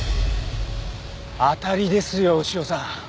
当たりですよ牛尾さん。